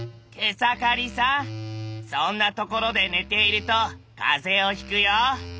草刈さんそんなところで寝ていると風邪をひくよ。